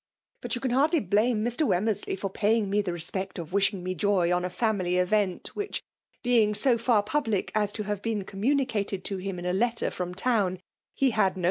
But you, can hardly blame Mr. Wemmersley for paying me the . respect of wishing me joy on a family event,, whiciv .being so far public as to have been communicated to him in a letter from town, he. had no.